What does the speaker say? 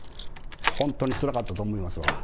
本当につらかったと思いますわ。